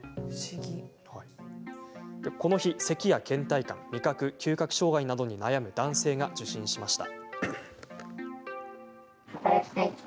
この日、せきやけん怠感味覚、嗅覚障害などに悩む男性が受診しました。